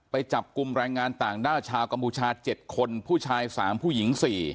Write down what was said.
ไปจับกลุ่มแรงงานต่างด้าวชาวกัมพูชา๗คนผู้ชาย๓ผู้หญิง๔